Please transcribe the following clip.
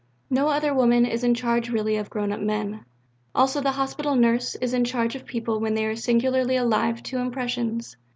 No other woman is in charge really of grown up men. Also the hospital nurse is in charge of people when they are singularly alive to impressions.